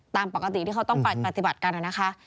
ตามปกติที่เขาต้องไปปฏิบัติกันนะคะ